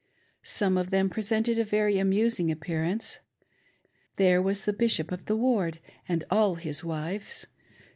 Some of them presented a very amusing appearance; ^here was the Bishop of the ward and all his wives.